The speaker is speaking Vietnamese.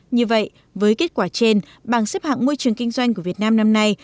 như vậy với kết quả trên bảng xếp hạng môi trường kinh doanh của việt nam năm nay